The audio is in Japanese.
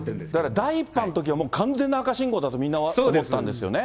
第１波のときは完全な赤信号だと、みんな思ってたんですよね。